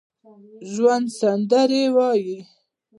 ژوندي سندرې وايي